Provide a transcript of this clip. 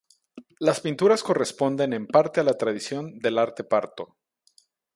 Las pinturas corresponden en parte a la tradición del arte parto.